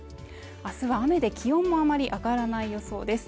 明日は雨で気温もあまり上がらない予想です